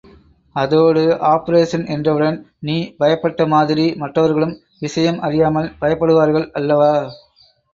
அதோடு ஆப்பரேஷன் என்றவுடன் நீ பயப்பட்ட மாதிரி மற்றவர்களும் விஷயம் அறியாமல் பயப்படுவார்கள் அல்லவா?